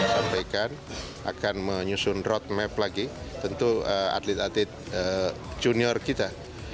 sampaikan akan menyusun roadmap lagi tentu atlet atlet junior kita